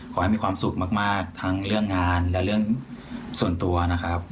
ขอให้มีความสุขมากทั้งเรื่องงานและเรื่องส่วนตัวนะครับ